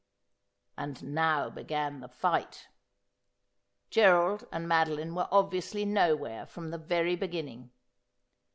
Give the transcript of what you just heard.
And now began the fight. Gerald and Madoline were ob viously nowhere, from the very beginning.